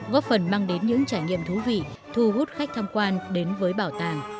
góp phần mang đến những trải nghiệm thú vị thu hút khách tham quan đến với bảo tàng